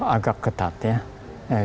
agak ketat ya